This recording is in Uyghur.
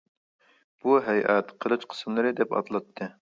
بۇ ھەيئەت قىلىچ قىسىملىرى دەپ ئاتىلاتتى.